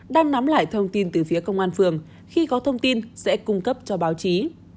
đang nắm lại thông tin từ phía công an phường khi có thông tin sẽ cung cấp cho báo chí